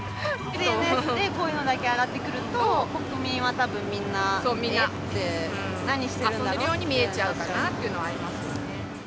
ＳＮＳでこういうのだけ上がってくると、国民はたぶんみんな、遊んでるように見えちゃうかなっていうのはありますよね。